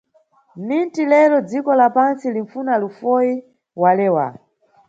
"Ninti lero, dziko la pantsi linfuna lufoyi", walewa.